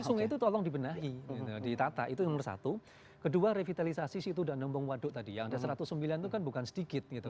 sungai itu tolong dibenahi ditata itu nomor satu kedua revitalisasi situ danambung waduk tadi yang ada satu ratus sembilan itu kan bukan sedikit gitu